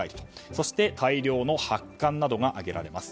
そして、大量の発汗などが挙げられます。